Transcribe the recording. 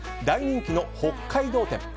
大人気の北海道展。